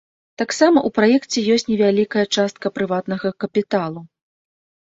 Таксама ў праекце ёсць невялікая частка прыватнага капіталу.